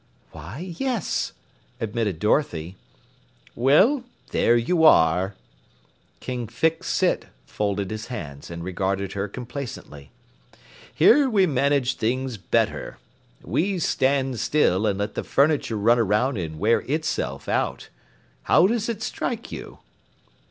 "Why, yes," admitted Dorothy. "Well, there you are!" King Fix Sit folded his hands and regarded her complacently. "Here we manage things better. We stand still and let the furniture run around and wear itself out. How does it strike you?"